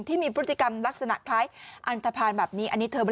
ที่มีพฤติกรรมลักษณะคล้ายอรรถภารณ์แบบนี้